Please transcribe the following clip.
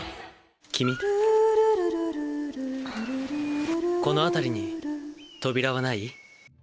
君、この辺りに扉はない？